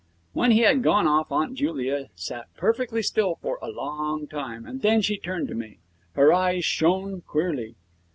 When he had gone off Aunt Julia sat perfectly still for a long time, and then she turned to me. Her eyes shone queerly.